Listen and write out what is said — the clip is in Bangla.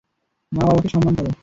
মা বাবাকে সম্মান করো।